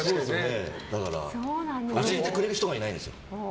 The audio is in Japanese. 教えてくれる人がいないんですよ。